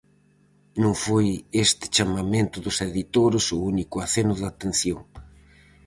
Non foi este chamamento dos editores o único aceno de atención.